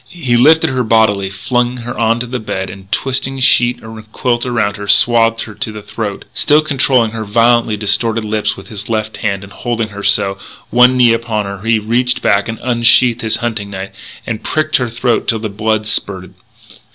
He lifted her bodily, flung her onto the bed, and, twisting sheet and quilt around her, swathed her to the throat. Still controlling her violently distorted lips with his left hand and holding her so, one knee upon her, he reached back, unsheathed his hunting knife, and pricked her throat till the blood spurted.